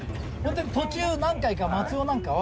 途中何回か松尾なんかは。